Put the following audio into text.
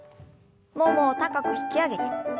ももを高く引き上げて。